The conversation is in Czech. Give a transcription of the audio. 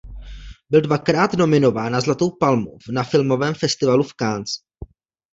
Byl dvakrát nominován na Zlatou palmu na Filmovém festivalu v Cannes.